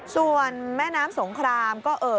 ส่วนแม่น้ำสงครามก็เอ่อ